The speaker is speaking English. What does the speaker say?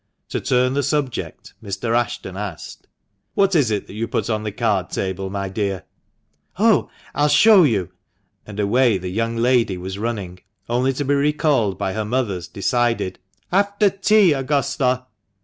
To turn the subject, Mr. Ashton asked —" What is that you put on the card table, my dear ?"" Oh ! I'll show you," and away the young lady was running, only to be recalled by her mother's decided —" After tea, Augusta."